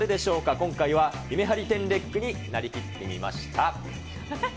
今回は、ヒメハリテンレックになりきってみました。